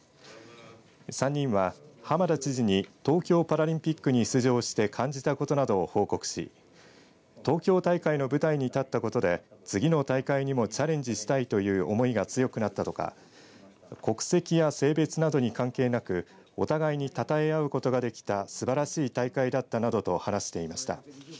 ３人は、浜田知事に東京パラリンピックに出場して感じたことなどを報告し東京大会の舞台に立ったことで次の大会にもチャレンジしたいという思いが強くなったとか国籍や性別などに関係なくお互いに讃えあうことができたすばらしい大会だったなどと話していました。